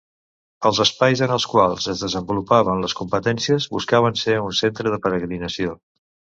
Els espais en els quals es desenvolupaven les competències buscaven ser un centre de peregrinació.